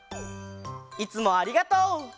いつもありがとう！